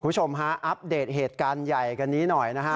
คุณผู้ชมฮะอัปเดตเหตุการณ์ใหญ่กันนี้หน่อยนะฮะ